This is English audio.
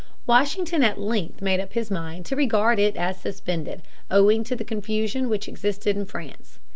Washington at length made up his mind to regard it as suspended, owing to the confusion which existed in France.